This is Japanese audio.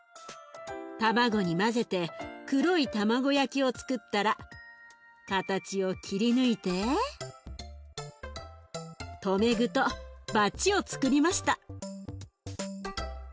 卵に混ぜて黒い卵焼きをつくったら形を切り抜いて留め具とバチをつくりました。